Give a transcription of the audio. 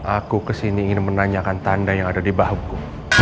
aku kesini ingin menanyakan tanda yang ada di bahuku